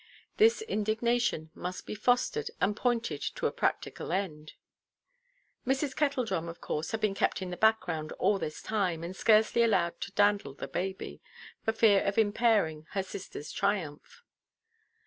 This indignation must be fostered and pointed to a practical end. Mrs. Kettledrum, of course, had been kept in the background all this time, and scarcely allowed to dandle the baby, for fear of impairing her sisterʼs triumph.